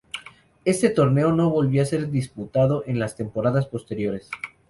Este torneo no volvió a ser disputado en las temporadas posteriores.